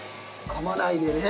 かまないでね。